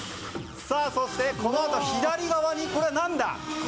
そして、このあと左側にこれは何だ？